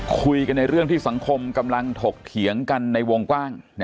คุยกันในเรื่องที่สังคมกำลังถกเถียงกันในวงกว้าง